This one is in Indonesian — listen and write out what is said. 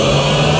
aku mau ke rumah